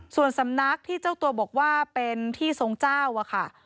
ส่วนสำนักที่เจ้าตัวบอกว่าเป็นที่ทรงเจ้าอะค่ะ